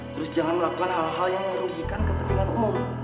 terus jangan melakukan hal hal yang merugikan kepentingan umum